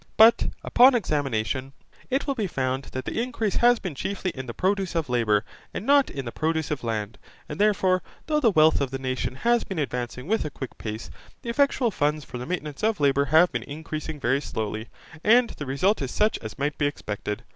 But, upon examination, it will be found that the increase has been chiefly in the produce of labour and not in the produce of land, and therefore, though the wealth of the nation has been advancing with a quick pace, the effectual funds for the maintenance of labour have been increasing very slowly, and the result is such as might be expected.